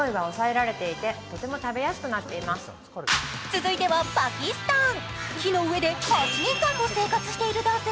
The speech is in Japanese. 続いてはパキスタン。